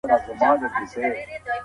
هغه وويل چي پاکي کول مهم دي.